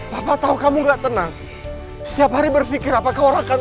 bapak tahu kamu gak tenang setiap hari berpikir apakah orang akan